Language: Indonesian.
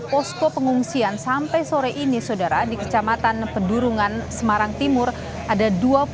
posko pengungsian sampai sore ini saudara di kecamatan pedurungan semarang timur ada dua puluh